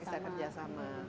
bisa kerja sama